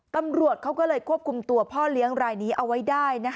ตำรวจเขาก็เลยควบคุมตัวพ่อเลี้ยงรายนี้เอาไว้ได้